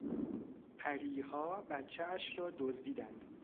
پریها بچهاش را دزدیدند.